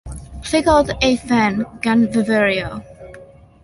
Plygodd ei phen, gan fyfyrio.